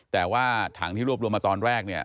แต่ว่าถังที่รวบรวมมาตอนแรกเนี่ย